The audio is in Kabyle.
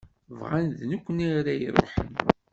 Bɣan d nekni ara iruḥen.